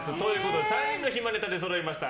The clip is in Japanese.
３人の暇ネタが出そろいました。